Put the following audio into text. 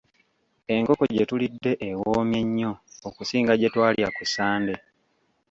Enkoko gye tulidde ewoomye nnyo okusinga gye twalya ku ssande.